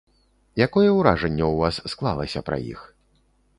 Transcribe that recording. Якое ўражанне ў вас склалася пра іх?